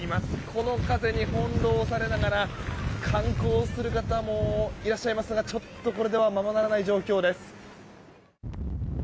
この風に翻ろうされながら観光する方もいらっしゃいますがちょっと、これではままならない状況です。